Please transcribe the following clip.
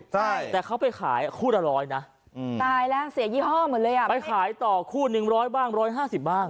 ใช่แต่เขาไปขายคู่ละ๑๐๐นะไปขายต่อคู่๑๐๐บ้าง๑๕๐บ้าง